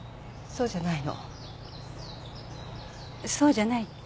そうじゃないって？